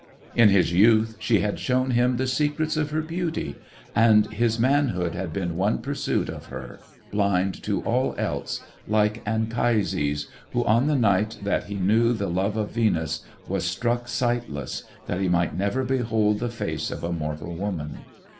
In his youth she had shown him the secrets of her beauty and his manhood had been one pursuit of her, blind to all else, like Anchises, who on the night that he knew the love of Venus, was struck sightless, that he might never behold the face of a mortal woman.